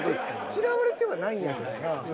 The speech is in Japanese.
嫌われてはないんやけどな。